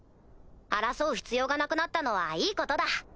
争う必要がなくなったのはいいことだ。